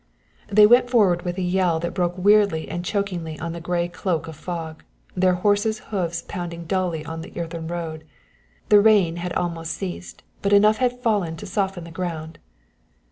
They went forward with a yell that broke weirdly and chokingly on the gray cloak of fog, their horses' hoofs pounding dully on the earthen road. The rain had almost ceased, but enough had fallen to soften the ground.